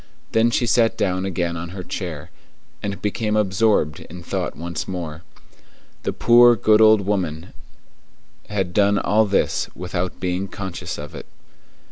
Then she sat down again on her chair, and became absorbed in thought once more. The poor, good old woman had done all this without being conscious of it.